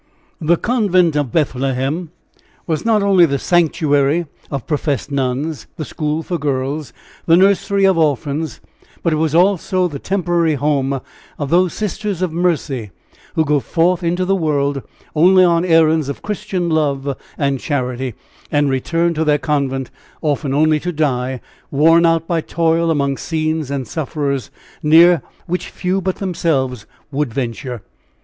The Convent of Bethlehem was not only the sanctuary of professed nuns, the school for girls, the nursery of orphans, but it was also the temporary home of those Sisters of Mercy who go forth into the world only on errands of Christian love and charity, and return to their convent often only to die, worn out by toil among scenes and sufferers near which few but themselves would venture.